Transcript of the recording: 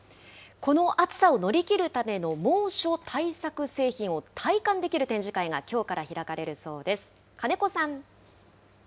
この暑さを乗り切るための猛暑対策製品を体感できる展示会が、きょうから開かれるそうです。